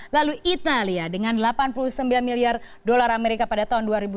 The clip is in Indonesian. lalu italia dengan delapan puluh sembilan miliar dolar amerika pada tahun dua ribu tujuh belas